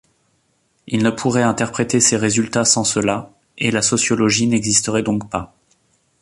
Il ne pourrait interpréter ses résultats sans cela, et la sociologie n'existerait donc pas.